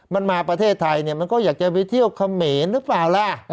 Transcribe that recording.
มันมาประเทศไทยเนี่ยมันก็อยากจะไปเที่ยวเขมรหรือเปล่าล่ะ